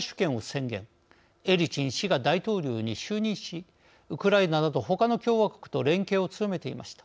エリツィン氏が大統領に就任しウクライナなどほかの共和国と連携を強めていました。